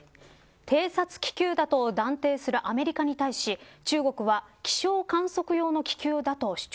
偵察気球だと断定するアメリカに対し中国は気象観測用の気球だと主張。